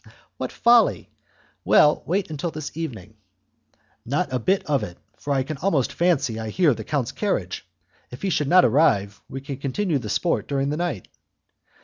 "What folly! Well, wait until this evening." "Not a bit of it, for I can almost fancy I hear the count's carriage. If he should not arrive, we can continue the sport during the night."